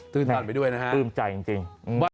ตื่นทันไปด้วยนะฮะตื่นใจจริง